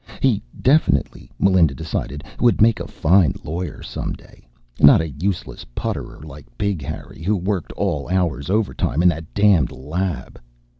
He definitely, Melinda decided, would make a fine lawyer someday, not a useless putterer like Big Harry, who worked all hours overtime in that damned lab.